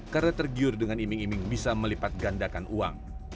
karena tergiur dengan iming iming bisa melipat gandakan uang